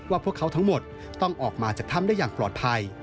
พวกเขาทั้งหมดต้องออกมาจากถ้ำได้อย่างปลอดภัย